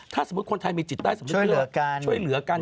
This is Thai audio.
ถ้าสมมุติคนไทยมีจิตใต้ช่วยเหลือกัน